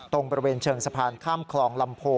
ตรงบริเวณเชิงสะพานข้ามคลองลำโพ